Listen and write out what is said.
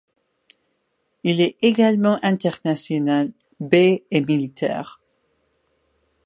Il est également international B et Militaire.